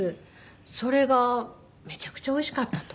それがめちゃくちゃおいしかったと。